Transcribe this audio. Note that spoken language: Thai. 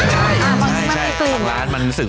ใช่บางทีมันมีกลิ่น